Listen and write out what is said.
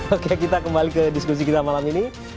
oke kita kembali ke diskusi kita malam ini